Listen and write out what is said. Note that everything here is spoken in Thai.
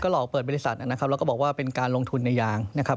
หลอกเปิดบริษัทนะครับแล้วก็บอกว่าเป็นการลงทุนในยางนะครับ